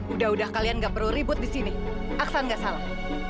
udah udah kalian nggak perlu ribut di sini aksa gak salah